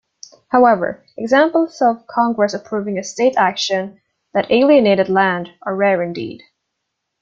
However, examples of Congress approving a state action that alienated land are rare indeed.